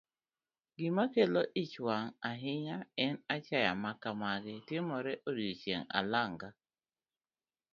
Gima kelo ich wang' ahinya en achaye ma kamagi timore odichieng' alanga.